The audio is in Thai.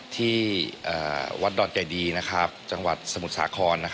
ที่วัชรพลวัชรพลวัชรพลฝรณ์ดอนไก่ดีจังหวัดสมุทรสาคร